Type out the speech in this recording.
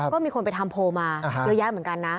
ก็มีคนไปทำโพลมาเยอะแยะเหมือนกันนะ